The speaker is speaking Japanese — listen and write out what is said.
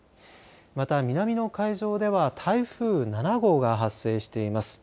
また南の海上では台風７号が発生しています。